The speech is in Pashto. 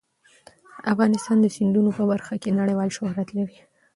افغانستان د سیندونه په برخه کې نړیوال شهرت لري.